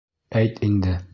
Әйт инде!